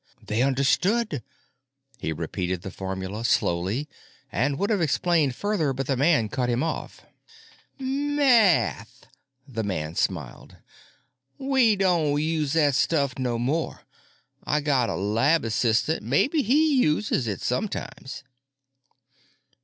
They understood! He repeated the formula, slowly, and would have explained further, but the man cut him off. "Math," the man smiled. "We don' use that stuff no more. I got a lab assistant, maybe he uses it sometimes."